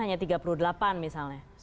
hanya tiga puluh delapan misalnya